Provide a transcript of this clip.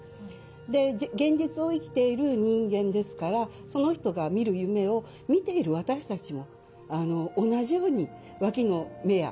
で現実を生きている人間ですからその人が見る夢を見ている私たちも同じようにワキの目や体を通して見ている。